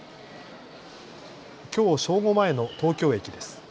きょう正午前の東京駅です。